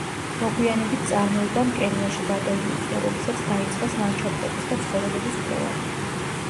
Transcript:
მოგვიანებით წარმოებამ კენიაში გადაინაცვლა, როდესაც დაიწყეს ლანდშაფტების და ცხოველების კვლევა.